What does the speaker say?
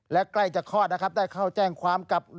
และใกล้จะข้อได้เข้าแจ้งความกับ